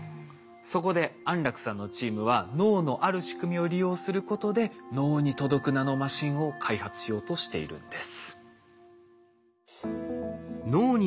そこで安楽さんのチームは脳のある仕組みを利用することで脳に届くナノマシンを開発しようとしているんです。